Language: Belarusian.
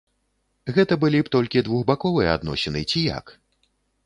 Гэта былі б толькі двухбаковыя адносіны ці як?